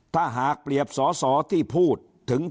ถ้าหากเปรียบสอสอที่พูดถึง